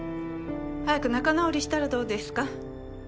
早く仲直りしたらどうですか？